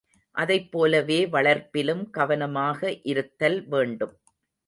அதைப் போலவே வளர்ப்பிலும் கவனமாக இருத்தல் வேண்டும்.